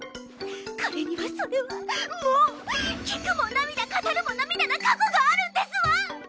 彼にはそれはもう聞くも涙語るも涙な過去があるんですわ！